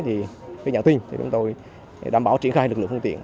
thì nhận tin chúng tôi đảm bảo triển khai lực lượng phương tiện